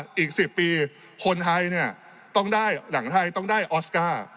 ว่าอีกสิบปีคนไทยเนี่ยต้องได้หนังไทยต้องได้ออสการ์